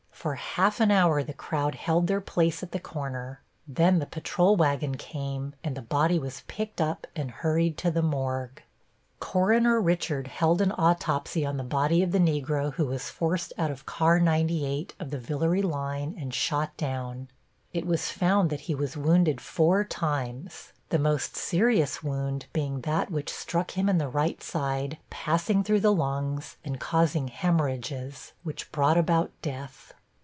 For half an hour the crowd held their place at the corner, then the patrol wagon came and the body was picked up and hurried to the morgue. Coroner Richard held an autopsy on the body of the Negro who was forced out of car 98 of the Villere line and shot down. It was found that he was wounded four times, the most serious wound being that which struck him in the right side, passing through the lungs, and causing hemorrhages, which brought about death.